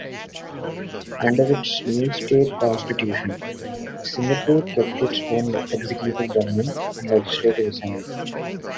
Under its new State Constitution, Singapore kept its own executive government and legislative assembly.